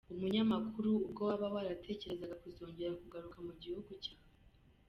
Umunyamakuru: Ubwo waba waratekerezaga kuzongera kugaruka mu gihugu cyawe?.